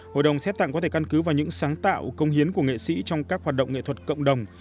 hội đồng xét tặng có thể căn cứ vào những sáng tạo công hiến của nghệ sĩ trong các hoạt động nghệ thuật cộng đồng